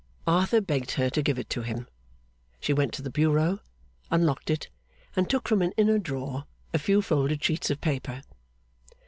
Arthur begged her to give it to him. She went to the bureau, unlocked it, and took from an inner drawer a few folded sheets of paper.